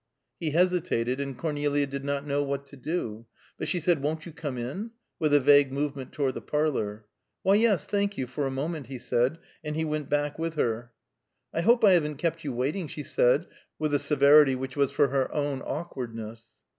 He hesitated, and Cornelia did not know what to do. But she said, "Won't you come in?" with a vague movement toward the parlor. "Why, yes, thank you, for a moment," he said; and he went back with her. "I hope I haven't kept you waiting," she said, with a severity which was for her own awkwardness.